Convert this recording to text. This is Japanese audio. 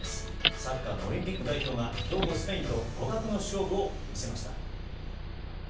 サッカーのオリンピック代表が強豪スペインと互角の勝負を見せました。